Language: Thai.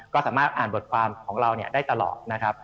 ก็สามารถอ่านบทความของเราได้ตลอดนะครับ